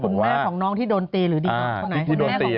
คุณแม่ของน้องที่โดนตีหรือดี